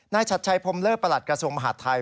นายชัดใช่พรหมเลอร์ประหลัดกระทรวงมหาดไทย